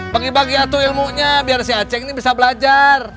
bagi bagi atu ilmunya biar si aceh ini bisa belajar